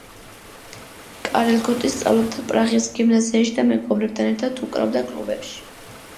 კარელ გოტი სწავლობდა პრაღის გიმნაზიაში და მეგობრებთან ერთად უკრავდა კლუბებში.